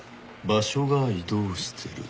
場所が移動してる。